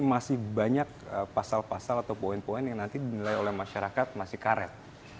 masih banyak pasal pasal atau poin poin yang nanti dinilai oleh masyarakat masih karet